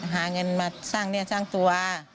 หาเงินมาสร้างเนื้อสร้างตัว